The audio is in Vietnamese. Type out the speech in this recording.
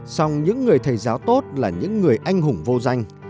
song những người thầy giáo tốt là những người anh hùng vô danh